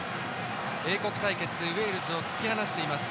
英国対決、ウェールズを突き放しています。